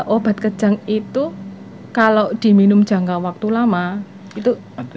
obat kejang itu kalau diminum jangka waktu lama itu